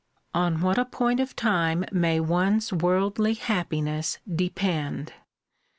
On what a point of time may one's worldly happiness depend!